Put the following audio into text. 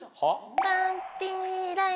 パンティーライン。